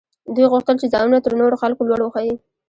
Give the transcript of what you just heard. دوی غوښتل چې ځانونه تر نورو خلکو لوړ وښيي.